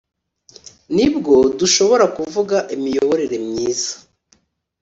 ni bwo dushobora kuvuga imiyoborere myiza